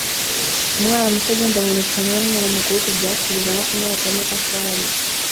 Umwana muto agenda-mu-ntoki hamwe n'umuntu mukuru ku byatsi bigana ku nyubako y'amatafari